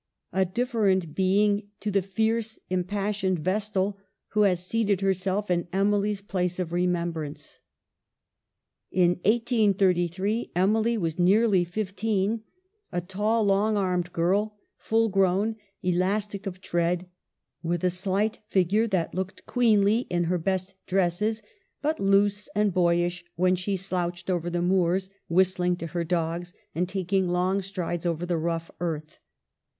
A different being to the fierce im passioned Vestal who has seated herself in Em ily's place of remembrance. In 1833 Emily was nearly fifteen, a tall, long armed girl, full grown, elastic of tread ; with a slight figure that looked queenly in her best dresses, but loose and boyish when she slouched over the moors, whistling to her dogs, and taking long strides over the rough earth.